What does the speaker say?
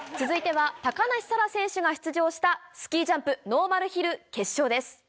続いては高梨沙羅選手が出場したスキージャンプノーマルヒル決勝です。